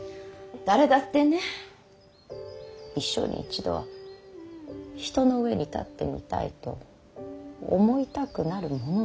誰だってね一生に一度は人の上に立ってみたいと思いたくなるものなの。